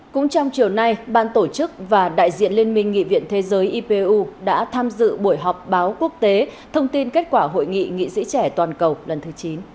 cũng trong chiều nay ban tổ chức và đại diện liên minh nghị viện thế giới ipu đã tham dự buổi họp báo quốc tế thông tin kết quả hội nghị nghị sĩ trẻ toàn cầu lần thứ chín